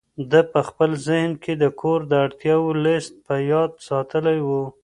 ده په خپل ذهن کې د کور د اړتیاوو لست په یاد ساتلی و.